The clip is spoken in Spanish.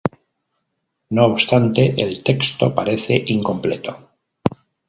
No obstante, el texto parece incompleto.